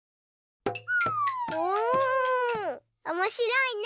おおおもしろいね！